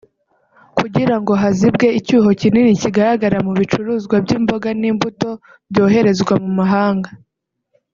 kugira ngo hazibwe icyuho kinini kigaragara mu bicuruzwa by’imboga n’imbuto byoherezwa mu mahanga